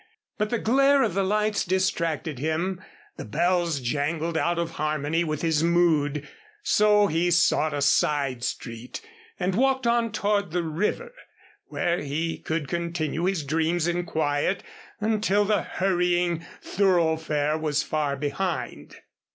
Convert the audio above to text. But the glare of the lights distracted him, the bells jangled out of harmony with his mood, so he sought a side street and walked on toward the river, where he could continue his dreams in quiet, until the hurrying thoroughfare was far behind.